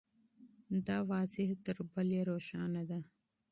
دا تشریح تر بلې روښانه ده.